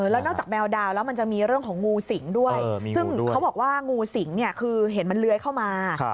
มันนอกจากแมวดาวมันมีเรื่องของงูสิงด้วยซึ่งเขาบอกว่ะงูสิงเห็นมันเลื้อยเข้ามา